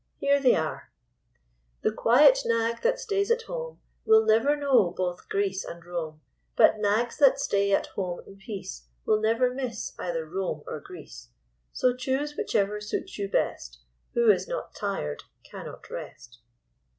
Here they are :" The quiet nag that stays at home "Will never know both Greece and Rome ; But nags that stay at home in peace Will never miss either Rome or Greece. So choose whichever suits you best — Who is not tired cannot rest."